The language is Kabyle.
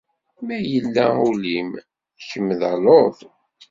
Ma yella ul-im kemm d aluḍ.